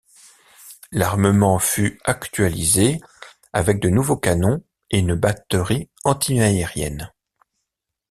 L'armement fut actualisé avec de nouveaux canons et une batterie anti-aérienne.